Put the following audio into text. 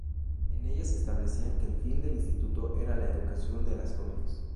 En ellas establecían que el fin del instituto era la educación de las jóvenes.